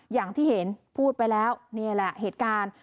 อย่างที่เห็นพูดไปแล้วนี่แหละเหตุการณ์